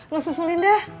lo susulin dah